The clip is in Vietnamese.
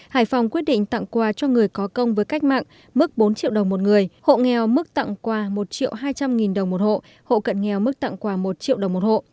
hải phòng quyết định tặng quà cho người có công với cách mạng mức bốn triệu đồng một người hộ nghèo mức tặng quà một triệu hai trăm linh nghìn đồng một hộ hộ cận nghèo mức tặng quà một triệu đồng một hộ